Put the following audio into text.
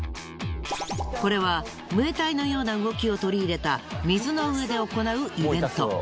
これはムエタイのような動きを取り入れた水の上で行うイベント。